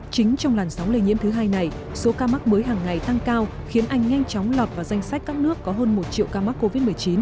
chính trong làn sóng lây nhiễm thứ hai này số ca mắc mới hàng ngày tăng cao khiến anh nhanh chóng lọt vào danh sách các nước có hơn một triệu ca mắc covid một mươi chín